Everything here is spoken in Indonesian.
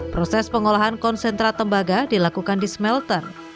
proses pengolahan konsentrat tembaga dilakukan di smelter